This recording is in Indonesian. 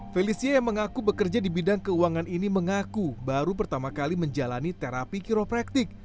felicia yang mengaku bekerja di bidang keuangan ini mengaku baru pertama kali menjalani terapi kiropraktik